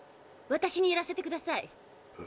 私にやらせてください。